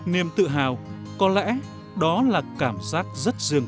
niềm tự hào có lẽ đó là cảm giác rất riêng